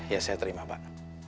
ya saya terima pak